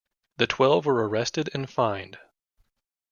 The twelve were arrested and fined.